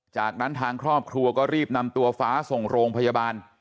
จากนั้นทางครอบครัวก็รีบนำตัวฟ้าส่งโรงพยาบาล